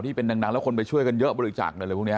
ที่เป็นหนังแล้วคนไปช่วยกันเยอะบริจักษ์แล้วพรุ่งเนี้ย